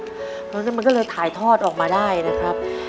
เพราะฉะนั้นมันก็เลยถ่ายทอดออกมาได้นะครับ